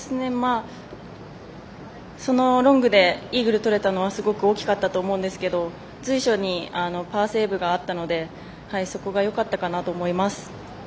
ロングでイーグルがとれたのはすごく大きかったと思うんですけど、随所にパーセーブがあったのでそこがよかったかなと思います。